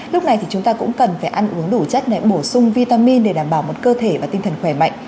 lúc này thì chúng ta cũng cần phải ăn uống đủ chất bổ sung vitamin để đảm bảo một cơ thể và tinh thần khỏe mạnh